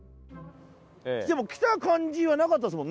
でも来た感じはなかったですもんね？